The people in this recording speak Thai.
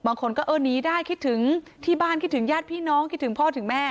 บางคนก็เออหนีได้คิดถึงที่บ้านคิดถึงญาติพี่น้องคิดถึงพ่อถึงแม่